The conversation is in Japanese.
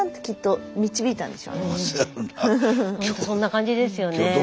そんな感じですよね。